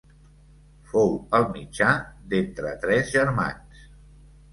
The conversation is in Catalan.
Fou el mitjà d'entre tres germans.